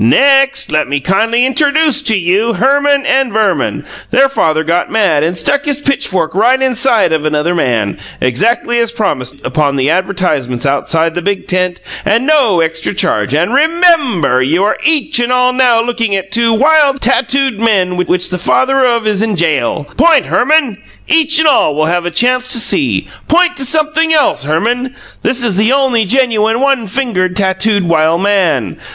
NEXT, let me kindly interodoos Herman and Verman. Their father got mad and stuck his pitchfork right inside of another man, exactly as promised upon the advertisements outside the big tent, and got put in jail. Look at them well, gen til mun and lay deeze, there is no extra charge, and RE MEM BUR you are each and all now looking at two wild, tattooed men which the father of is in jail. Point, Herman. Each and all will have a chance to see. Point to sumpthing else, Herman. This is the only genuine one fingered tattooed wild man.